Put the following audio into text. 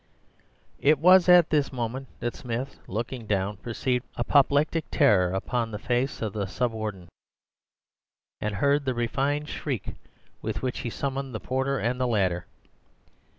"It was at this moment that Smith, looking down, perceived apoplectic terror upon the face of the Sub Warden, and heard the refined shriek with which he summoned the porter and the ladder.